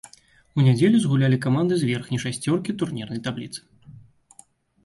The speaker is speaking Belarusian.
У нядзелю згулялі каманды з верхняй шасцёркі турнірнай табліцы.